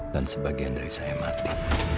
dan sebagian dari saya mati